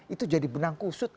itu jadi benang kusut